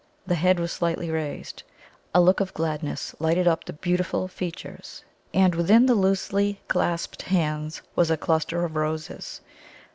The head was slightly raised: a look of gladness lighted up the beautiful features; and within the loosely clasped hands was a cluster of roses.